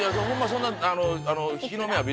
そんな。